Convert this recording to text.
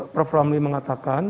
prof ramli mengatakan